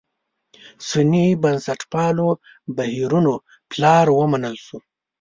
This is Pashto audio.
سني بنسټپالو بهیرونو پلار ومنل شو.